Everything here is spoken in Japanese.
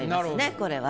これは。